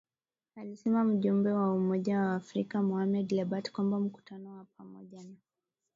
alisema mjumbe wa Umoja wa Afrika Mohamed Lebatt katika mkutano wa pamoja na